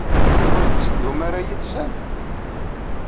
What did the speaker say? Ur tetteddum ara yid-sen?